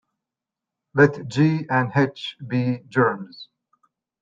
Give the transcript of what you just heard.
Let "g" and "h" be germs.